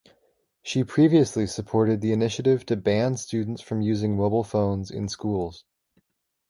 She previously supported the initiative to ban students from using mobile phones in schools.